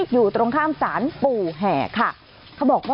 อยู่ตรงข้ามศาลปู่แหนี่ย